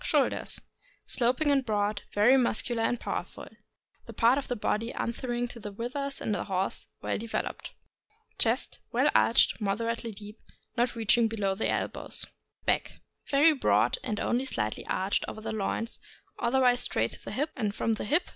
Shoulders. — Sloping and broad, very muscular and pow erful. The part of the body answering to the withers in the horse, well developed. Chest.— Well arched, moderately deep, not reaching be low the elbows. Back.— Very broad, and only slightly arched over the loins, otherwise straight to the hip; and from the hip, THE ST.